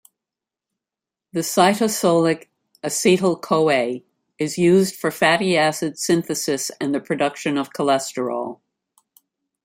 The cytosolic acetyl-CoA is used for fatty acid synthesis and the production of cholesterol.